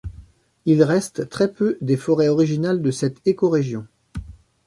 Il reste très peu des forêts originales de cette écorégion.